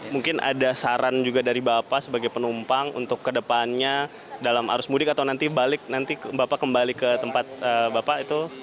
mungkin ada saran juga dari bapak sebagai penumpang untuk kedepannya dalam arus mudik atau nanti balik nanti bapak kembali ke tempat bapak itu